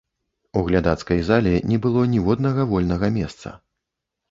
У глядацкай зале не было ніводнага вольга месца.